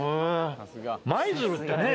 舞鶴ってね